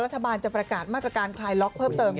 รัฐบาลจะประกาศมาตรการคลายล็อกเพิ่มเติม